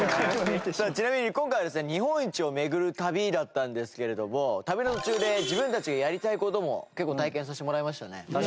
さあちなみに今回はですね日本一を巡る旅だったんですけれども旅の途中で自分たちがやりたい事も結構体験させてもらいましたね。